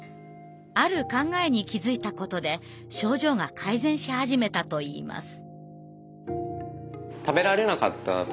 ある考えに気づいたことで症状が改善し始めたといいます。